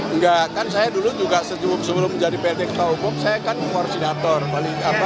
enggak kan saya dulu juga sebelum menjadi pt ketua hukum saya kan koordinator kib